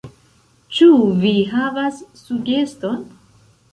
Ĉu vi havas sugeston?